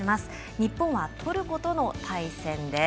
日本はトルコとの対戦です。